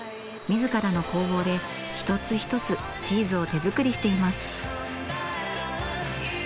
自らの工房で一つ一つチーズを手作りしています。